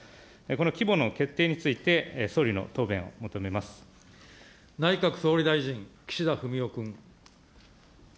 この規模の決定について、総理の内閣総理大臣、岸田文雄君。